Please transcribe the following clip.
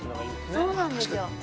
◆そうなんですよ。